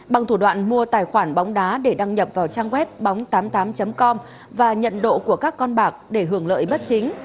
bằng thủ đoạn mua tài khoản bóng đá để đăng nhập vào trang web bóng tám mươi tám com và nhận độ của các con bạc để hưởng lợi bất chính